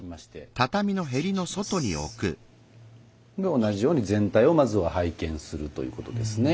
同じように全体をまずは拝見するということですね。